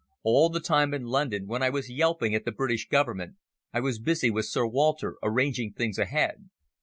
All the time in London when I was yelping at the British Government, I was busy with Sir Walter arranging things ahead.